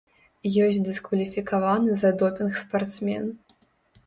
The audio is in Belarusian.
Ёсць дыскваліфікаваны за допінг спартсмен.